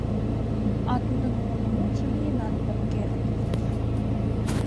— А тудын моло мутшо лийынат ок керт.